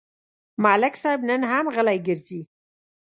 ملک صاحب نن هم غلی ګرځي.